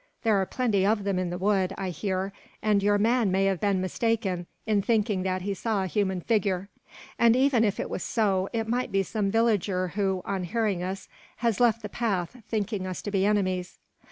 "There are plenty of them in the wood, I hear, and your man may have been mistaken in thinking that he saw a human figure. And even if it was so, it might be some villager who, on hearing us, has left the path, thinking us to be enemies."